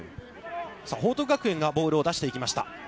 さあ、報徳学園がボールを出していきました。